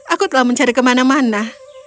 aku telah mencari kemana mana